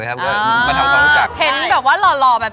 ไม่ถึงเต้นตอนนี้มันคือความกลัว